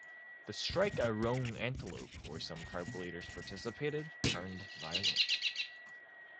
The strike at Roan Antelope, where some tribal leaders participated, turned violent.